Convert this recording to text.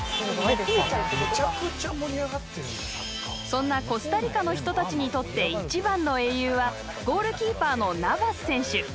そんなコスタリカの人たちにとって、一番の英雄はゴールキーパーのナバス選手。